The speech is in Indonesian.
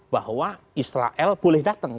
bahwa israel boleh datang